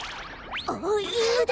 あっいぬだ！